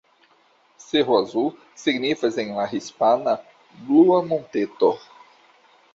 Cerro Azul signifas en la hispana "Blua Monteto".